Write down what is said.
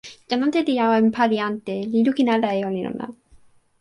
jan ante li awen pali ante, li lukin ala e olin ona.